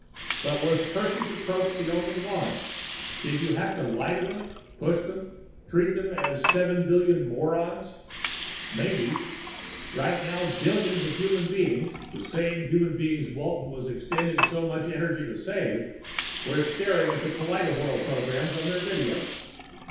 But was Percy's approach the only one? Did you have to lie to them, push them, treat them as seven billion morons? Maybe. Right now billions of human beings the same human beings Walton was expending so much energy to save were staring at the kaleidowhirl programs on their videos.